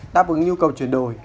đáp ứng nhu cầu chuyển đổi